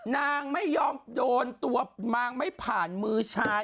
นางไม่ยอมโดนตัวนางไม่ผ่านมือชาย